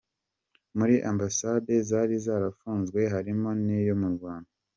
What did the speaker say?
Muri Ambasade zari zarafunzwe harimo n’iyo mu Rwanda.